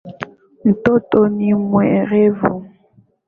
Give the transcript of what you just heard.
Mtoto ni mwerevu